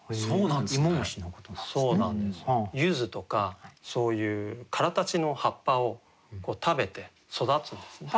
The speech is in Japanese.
柚子とかそういうからたちの葉っぱを食べて育つんですね。